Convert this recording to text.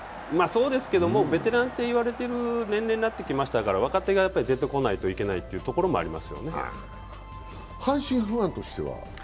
そうですけど、ベテランといわれる年齢になってきましたから若手が出てこないといけないというところもありますよね。